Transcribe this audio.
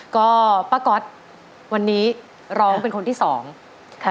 ก็ป้าก๊อตวันนี้ร้องเป็นคนที่สองค่ะ